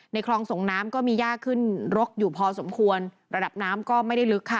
คลองส่งน้ำก็มียากขึ้นรกอยู่พอสมควรระดับน้ำก็ไม่ได้ลึกค่ะ